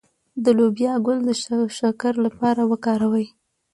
د لوبیا ګل د شکر لپاره وکاروئ